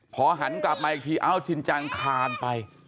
พอหันกลับมาอีกทีเอ้าชินจังคานไป